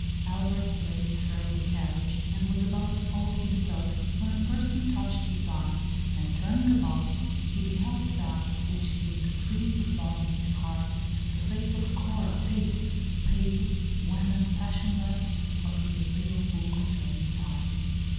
Albert placed her in the carriage, and was about to follow himself, when a person touched his arm, and, turning about, he beheld that, which seemed to freeze the blood in his heart, — the face of Cora Tate, pale, wan and passionless, but with a bale ful glitter in its eyes.